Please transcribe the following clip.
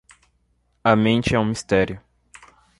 A mente é um mistério.